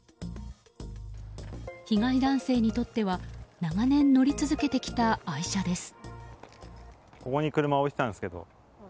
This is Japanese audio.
被害男性にとっては長年、乗り続けてきた愛車です。